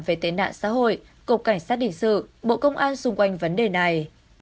về tên nạn xã hội cục cảnh sát đình sự bộ công an xung quanh vấn đề này